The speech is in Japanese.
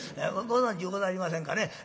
ご存じございませんかね？